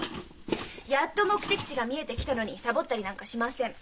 やっと目的地が見えてきたのにサボったりなんかしません。